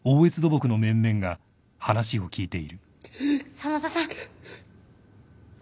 ・真田さん。